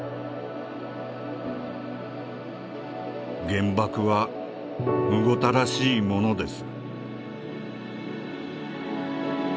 「原爆はむごたらしいものです」。